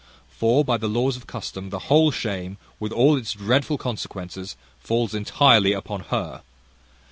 For, by the laws of custom, the whole shame, with all its dreadful consequences, falls intirely upon her.